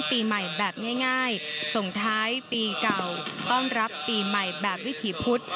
ปีใหม่แบบง่ายส่งท้ายปีเก่าต้อนรับปีใหม่แบบวิถีพุธ